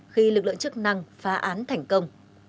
khi lực lượng chức năng phá án thành công